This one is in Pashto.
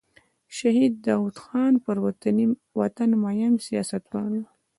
شهید داود خان پر وطن مین سیاستوال و.